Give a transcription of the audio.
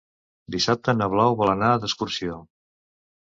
Dissabte na Blau vol anar d'excursió.